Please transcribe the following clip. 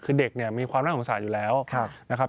คือเด็กเนี่ยมีความน่าสงสารอยู่แล้วนะครับ